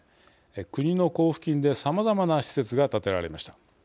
国の交付金でさまざまな施設が建てられました。